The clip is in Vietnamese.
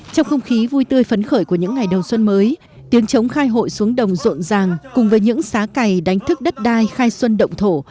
trong không khí vui tươi phấn khởi của những ngày đầu xuân mới tiếng chống khai hội xuống đồng rộn ràng cùng với những xá cày đánh thức đất đai khai xuân động thổ